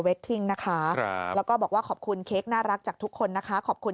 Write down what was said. นะคะแล้วก็บอกว่าขอบคุณเค้กน่ารักจากทุกคนนะคะขอบคุณ